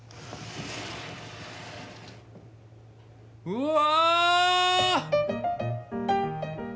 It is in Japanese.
うわ！